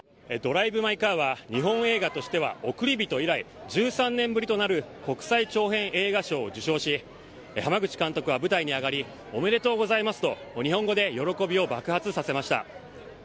ドライブ・マイ・カーは、日本映画としてはおくりびと以来、１３年ぶりとなる国際長編映画賞を受賞し、濱口監督は舞台に上がり、おめでとうございますと、日本語で喜びを爆発させました。